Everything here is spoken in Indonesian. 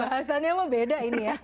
bahasanya beda ini ya